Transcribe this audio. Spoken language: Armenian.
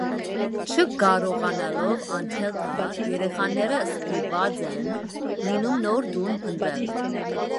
Չկարողանալով անել դա, երեխաները ստիպված են լինում նոր տուն փնտրել։